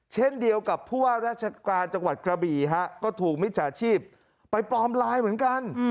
เช่นเดียวกับผู้ว่าราชการจังหวัดกระบี่ฮะก็ถูกมิจฉาชีพไปปลอมไลน์เหมือนกัน